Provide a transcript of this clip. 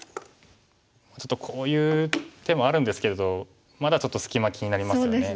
ちょっとこういう手もあるんですけれどまだちょっと隙間気になりますよね。